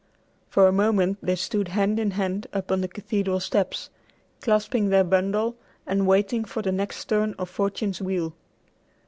For a moment they stood hand in hand upon the cathedral steps, clasping their bundle and waiting for the next turn of fortune's wheel.